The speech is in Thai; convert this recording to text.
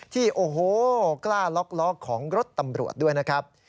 ที่โอ้โหกล้าล็อกล้อของรถตำรวจด้วยนะครับ